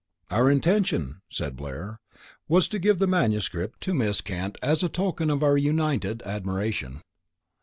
"Our intention," said Blair, "was to give the manuscript to Miss Kent as a token of our united admiration."